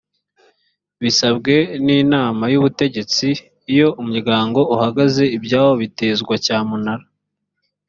bisabwe n’ inama y’ ubutegetsi iyo umuryango uhagaze ibyawo bitezwa cyamunara.